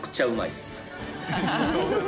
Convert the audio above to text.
うまい。